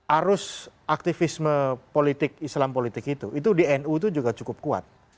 arus aktivisme politik islam politik itu itu di nu itu juga cukup kuat